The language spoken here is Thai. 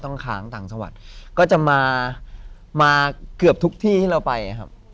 ก็ต้องค้างต่างสังวัตรก็จะมาเกือบทุกที่ที่เราไปครับ